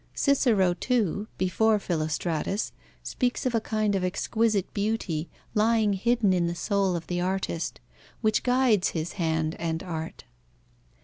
Cicero too, before Philostratus, speaks of a kind of exquisite beauty lying hidden in the soul of the artist, which guides his hand and art.